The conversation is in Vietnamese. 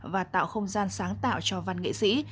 và tạo không gian sáng tạo cho văn nghệ sĩ